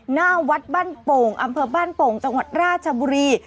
หน้าวัดบ้านโป่งอำเภอบ้านโป่งจังหวัดราชบุรี